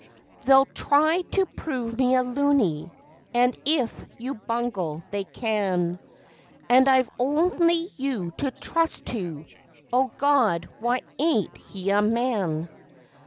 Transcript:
They'll try to prove me a loony, and, if you bungle, they can; And I've only you to trust to! (O God, why ain't he a man?)